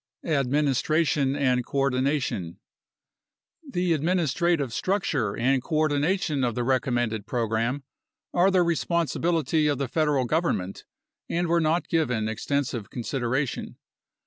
Administration and Coordination The administrative structure and coordination of the recommended program are the responsibility of the federal government and were not given extensive consideration.